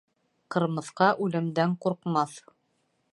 Ҡырмыҫҡа үлемдән ҡурҡмаҫ.